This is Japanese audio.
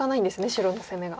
白の攻めが。